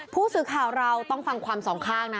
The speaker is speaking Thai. ผู้สื่อข่าวเราต้องฟังความสองข้างนะ